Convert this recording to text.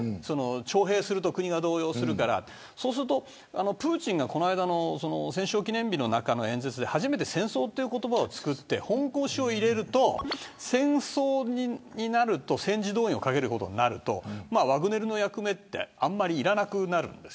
徴兵すると国が動揺するからプーチンがこの間の戦勝記念日の演説で初めて戦争という言葉を使って本腰を入れると戦争になると戦時動員をかけることになりワグネルの役目はあまりいらなくなるんです